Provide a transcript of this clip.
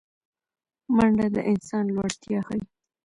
منډه د انسان لوړتیا ښيي